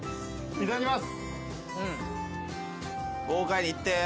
いただきます。